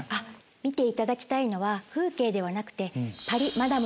見ていただきたいのは風景ではなくて。